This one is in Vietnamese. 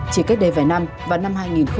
chỉ cách đây vài năm vào năm hai nghìn hai mươi một